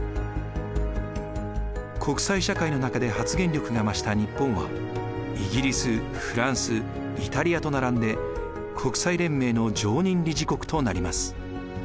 国際社会の中で発言力が増した日本はイギリスフランスイタリアと並んで国際連盟の常任理事国となります。